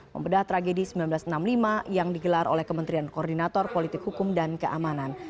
membedah tragedi seribu sembilan ratus enam puluh lima yang digelar oleh kementerian koordinator politik hukum dan keamanan